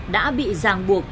đã bị ràng buộc